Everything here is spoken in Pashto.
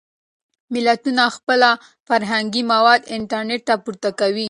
ملتونه خپل فرهنګي مواد انټرنټ ته پورته کوي.